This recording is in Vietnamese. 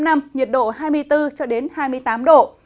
nhiệt độ hai mươi bốn hai mươi tám độ